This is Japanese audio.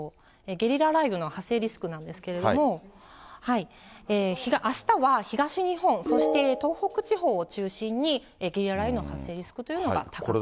ゲリラ雷雨の発生リスクなんですけれども、あしたは東日本、そして東北地方を中心に、ゲリラ雷雨の発生リスクというのが高くなっています。